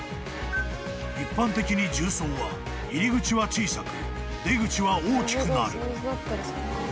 ［一般的に銃創は入り口は小さく出口は大きくなる］